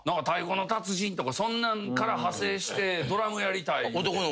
太鼓の達人とかそんなんから派生してドラムやりたいって。